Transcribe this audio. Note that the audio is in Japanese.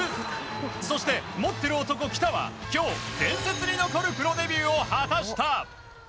そして持っている男・来田は今日、伝説に残るプロデビューを果たした。